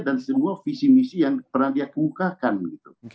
dan semua visi misi yang pernah dia kukahkan gitu